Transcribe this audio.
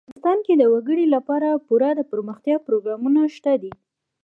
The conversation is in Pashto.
افغانستان کې د وګړي لپاره پوره دپرمختیا پروګرامونه شته دي.